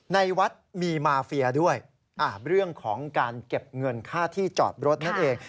ในวัดมีมาเฟียด้วยเรื่องของการเก็บเงินค่าที่จอดรถนั่นเอง